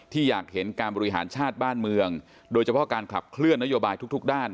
อยากเห็นการบริหารชาติบ้านเมืองโดยเฉพาะการขับเคลื่อนนโยบายทุกด้าน